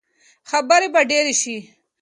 خبرې به ډېرې شي.